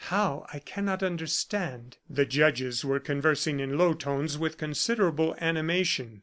How, I cannot understand." The judges were conversing in low tones with considerable animation.